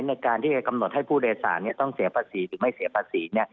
ในการที่จะกำหนดให้ผู้โดยสารต้องเสียภาษีหรือไม่เสียภาษี